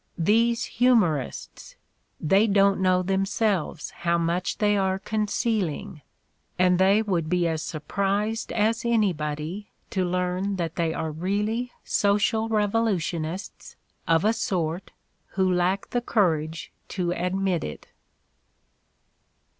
These humorists! They don't know themselves how much they are concealing ; and they would be as surprised as anybody to learn that they are really social revolution ists of a sort who lack the courage to admit it.